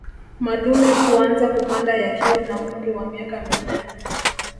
Madume huanza kupanda yakiwa na umri wa miaka minne